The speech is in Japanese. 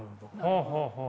はあはあはあ。